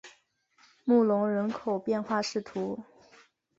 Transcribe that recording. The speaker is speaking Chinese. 穆龙人口变化图示